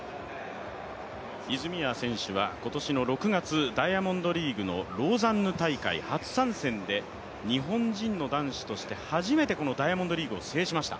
泉谷選手は今年の６月、ダイヤモンドリーグのローザンヌ大会初参戦で日本人の男子として初めてこのダイヤモンドリーグを制しました。